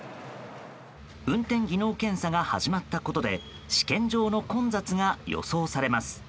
運転技能検査が始まったことで試験場の混雑が予想されます。